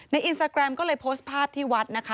อินสตาแกรมก็เลยโพสต์ภาพที่วัดนะคะ